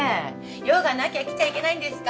用がなきゃ来ちゃいけないんですか？